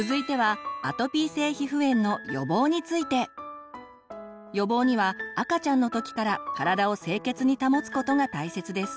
続いては予防には赤ちゃんの時から体を清潔に保つことが大切です。